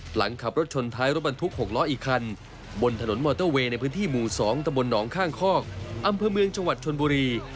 หลังขับรถชนท้ายรถบรรทุก๖ล้ออีกคันบนถนนมอเตอร์เวย์ในพื้นที่หมู่๒ตะบนหนองข้างคอกอำเภอเมืองจังหวัดชนบุรี